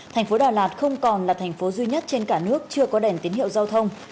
thành phố đà lạt không còn là thành phố duy nhất trên cả nước chưa có đèn tín hiệu giao thông